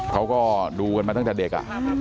เขาก็ดูกันมาตั้งแต่เด็ก